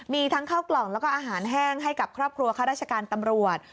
มีทั้งข้าวกล่องแล้วก็อาหารแห้งให้กับครอบครัวข้าราชการตำรวจ